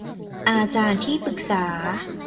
อาจารย์ที่ปรึกษา